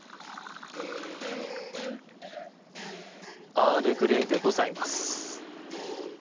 アールグレイでございます。